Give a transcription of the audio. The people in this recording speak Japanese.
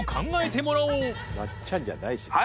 松ちゃんじゃないしね。